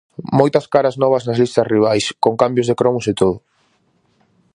Moitas caras novas nas listas rivais, con cambios de cromos e todo.